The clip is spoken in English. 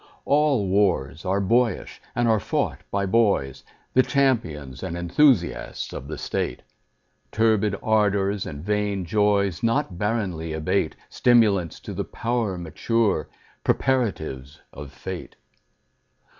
All wars are boyish, and are fought by boys, The champions and enthusiasts of the state: Turbid ardors and vain joys Not barrenly abate— Stimulants to the power mature, Preparatives of fate.